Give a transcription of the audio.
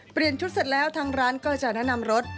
ชุดเสร็จแล้วทางร้านก็จะแนะนำรถ